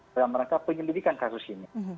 dalam rangka penyelidikan kasus ini